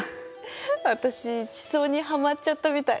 私地層にハマっちゃったみたい。